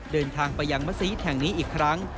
เดินทางไปยังมัศยิตแห่งนี้อีกครั้ง